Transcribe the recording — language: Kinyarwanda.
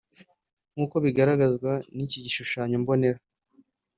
Nk uko bigaragazwa n iki gishushanyo mbonera